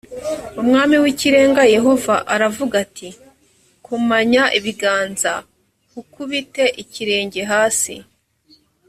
umwami w ikirenga yehova aravuga ati komanya ibiganza h ukubite ikirenge hasi